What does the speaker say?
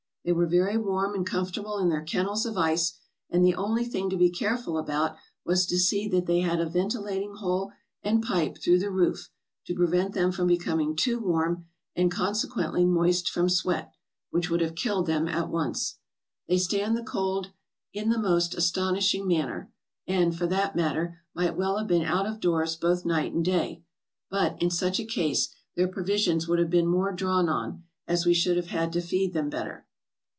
They were very warm and comfortable in their kennels of ice, and the only thing to be careful about was to see that they had a ven tilating hole and pipe through the roof, to prevent them from becoming too warm and, consequently, moist from sweat, which would have killed them at once. They stand the cold in the most astonishing manner, and, for that matter, might well have been out of doors both night and day; but, in such a case, their provisions would have been more drawn on, as we should have had to feed them better.